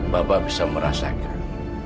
bapak bisa merasakan